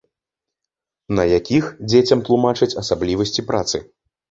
На якіх дзецям тлумачаць асаблівасці працы.